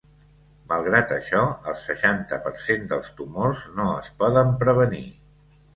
Malgrat això, el seixanta per cent dels tumors no es poden prevenir.